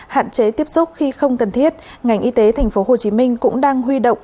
hạn chế tiếp xúc khi không cần thiết ngành y tế tp hcm cũng đang huy động